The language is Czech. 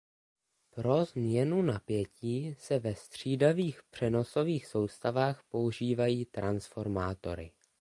Pro změnu napětí se ve střídavých přenosových soustavách používají transformátory.